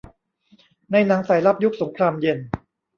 ในหนังสายลับยุคสงครามเย็น